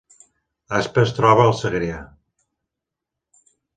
Aspa es troba al Segrià